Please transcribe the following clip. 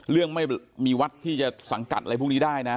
ไม่มีวัดที่จะสังกัดอะไรพวกนี้ได้นะ